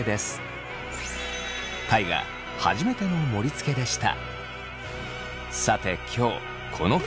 初めての盛りつけでした。